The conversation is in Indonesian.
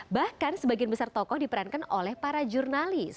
bahkan sebagian besar tokoh diperankan oleh para jurnalis